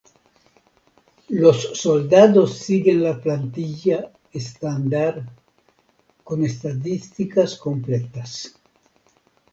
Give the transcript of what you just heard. Los soldados siguen la plantilla estándar con estadísticas completas.